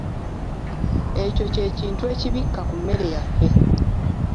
Ekyokye kintu ekibikka ku mmere yaffe.